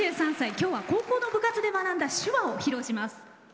今日は高校の部活で学んだ手話を披露します。